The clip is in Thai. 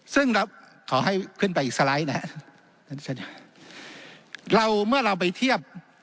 ซึ่งเราขอให้ขึ้นไปอีกสไลด์นะฮะท่านเราเมื่อเราไปเทียบ